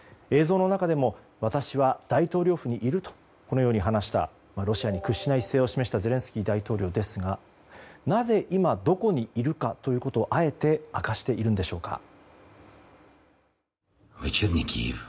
映像の中でも私は大統領府にいるとロシアに屈しない姿勢を示したゼレンスキー大統領ですがなぜ今、どこにいるかということをあえて明かしているのでしょうか。